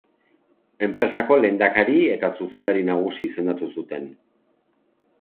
Enpresako lehendakari eta zuzendari nagusi izendatu zuten.